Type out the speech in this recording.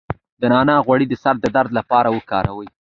د نعناع غوړي د سر درد لپاره وکاروئ